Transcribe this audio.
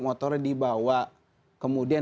motornya dibawa kemudian